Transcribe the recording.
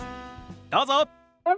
どうぞ！